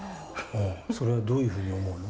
それはどういうふうに思うの？